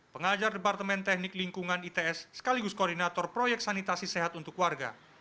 pengajar departemen teknik lingkungan its sekaligus koordinator proyek sanitasi sehat untuk warga